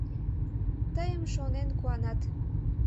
Тыйым шонен куанат